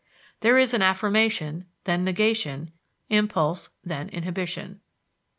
There is an affirmation, then negation; impulse, then inhibition.